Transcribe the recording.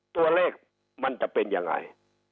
ตัวเลขมันจะเป็นยังไง